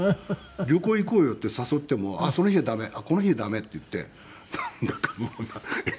「旅行行こうよ」って誘っても「その日は駄目この日は駄目」って言ってなんだかもう。